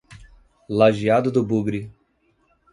Lajeado do Bugre